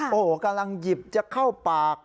โอ้โหกำลังหยิบจะเข้าปาก